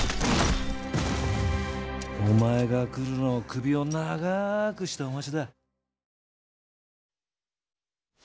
お前が来るのを首を長くしてお待ちだ。